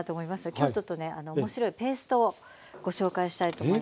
今日ちょっとね面白いペーストをご紹介したいと思います。